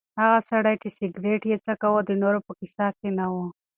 هغه سړی چې سګرټ یې څکاوه د نورو په کیسه کې نه و.